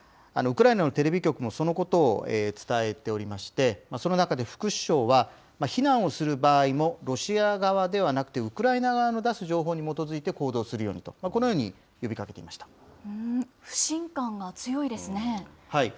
ウクライナのテレビ局もそのことを伝えておりまして、その中で副首相は、避難をする場合もロシア側ではなくて、ウクライナ側の出す情報に基づいて行動するようにと、このように不信感が強いですね。